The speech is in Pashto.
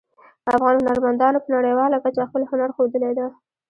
افغان هنرمندانو په نړیواله کچه خپل هنر ښودلی ده